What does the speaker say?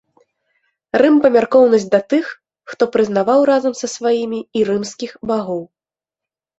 Рым-памяркоўнасць да тых, хто прызнаваў разам са сваімі і рымскіх багоў.